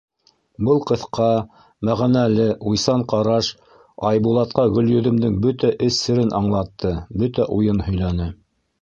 Был ҡыҫҡа, мәғәнәле уйсан ҡараш Айбулатҡа Гөлйөҙөмдөң бөтә эс серен аңлатты, бөтә уйын һөйләне.